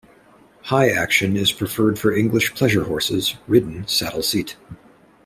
High action is preferred for English pleasure horses ridden saddle seat.